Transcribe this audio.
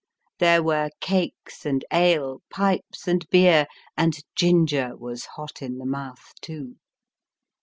There were cakes and ale, pipes and beer, and ginger was hot in the mouth too